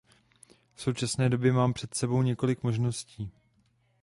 V současné době máme před sebou několik možností.